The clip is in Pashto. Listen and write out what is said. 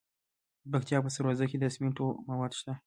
د پکتیکا په سروضه کې د سمنټو مواد شته.